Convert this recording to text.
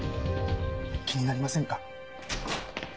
気になりませんか？